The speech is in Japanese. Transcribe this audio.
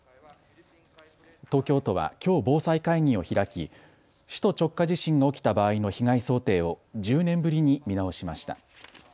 東京都はきょう防災会議を開き首都直下地震が起きた場合の被害想定を１０年ぶりに見直しました。